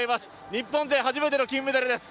日本勢初めての金メダルです。